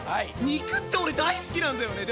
肉って俺大好きなんだよね。